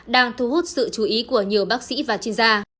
đang thu hút sự chú ý của nhiều bác sĩ và chuyên gia